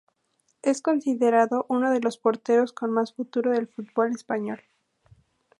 Es considerado unos de los porteros con más futuro del fútbol español.